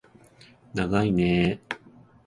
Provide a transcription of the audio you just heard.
ながいねー